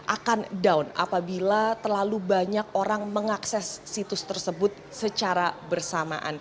akan down apabila terlalu banyak orang mengakses situs tersebut secara bersamaan